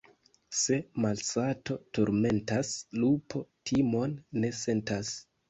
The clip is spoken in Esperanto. Se malsato turmentas, lupo timon ne sentas.